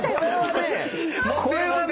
これはね